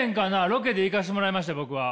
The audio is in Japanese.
ロケで行かしてもらいました僕は。